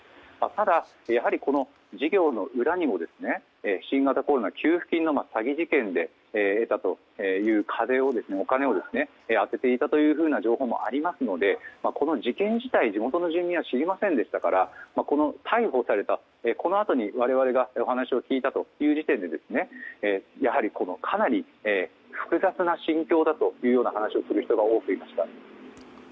ただやはりこの事業の裏にも新型コロナ給付金の詐欺事件で得たというお金を充てていたという情報もありますのでこの事件自体、地元の住民は知りませんでしたから逮捕されたこのあとに我々が話を聞いたという時点でやはりかなり複雑な心境だという話をする人が多くいました。